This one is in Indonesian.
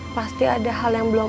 pasti ada hal yang belum